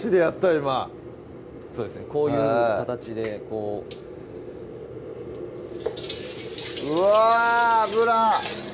今そうですねこういう形でこううわ油！